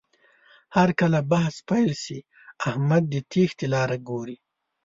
هرکله بحث پیل شي، احمد د تېښتې لاره ګوري.